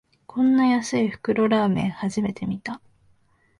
こんな安い袋ラーメン、初めて見た